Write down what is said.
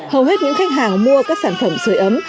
hầu hết những khách hàng mua các sản phẩm sửa ấm